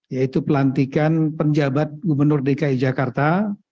yaitu pelantikan penjabat gubernur dki jakarta